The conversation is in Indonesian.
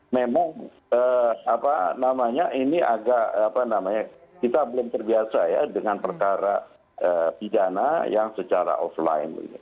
memang kita belum terbiasa dengan perkara pidana yang secara offline